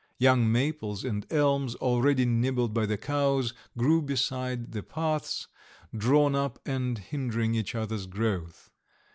Young maples and elms, already nibbled by the cows, grew beside the paths, drawn up and hindering each other's growth.